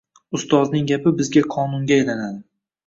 Ustozning gapi bizga qonunga aylanadi.